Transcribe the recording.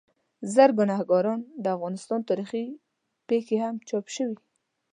زړوګناهکار، د افغانستان تاریخي پېښې هم چاپ شوي.